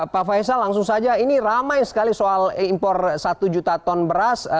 pak faisal langsung saja ini ramai sekali soal impor satu juta ton beras